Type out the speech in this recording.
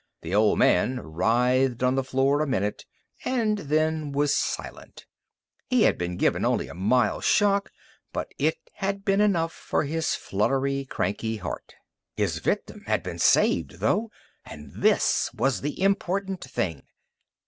The old man writhed on the floor a minute and then was silent. He had been given only a mild shock, but it had been enough for his fluttery, cranky heart. His victim had been saved, though, and this was the important thing.